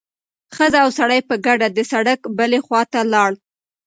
ښځه او سړی په ګډه د سړک بلې خوا ته لاړل.